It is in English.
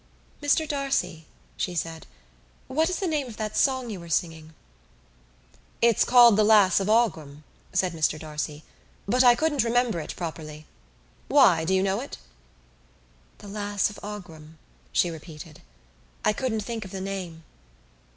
"Mr D'Arcy," she said, "what is the name of that song you were singing?" "It's called The Lass of Aughrim," said Mr D'Arcy, "but I couldn't remember it properly. Why? Do you know it?" "The Lass of Aughrim," she repeated. "I couldn't think of the name."